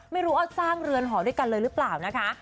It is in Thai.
ไม่รู้ว่าสร้างเรือนหอด้วยกันเลยหรือเปล่านะคะ